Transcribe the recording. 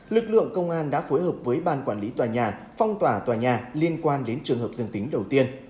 lực lượng công an đã phối hợp với ban quản lý tòa nhà phòng toàn tòa nhà liên quan đến trường hợp dương tính đầu tiên